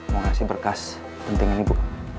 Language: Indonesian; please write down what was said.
mau kasih berkas pentingan ibu